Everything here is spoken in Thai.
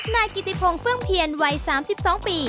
นายกิติพงศ์เฟื่องเพียรวัย๓๒ปี